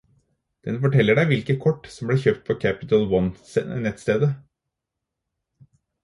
Den forteller deg hvilket kort som ble kjøpt på Capital One-nettstedet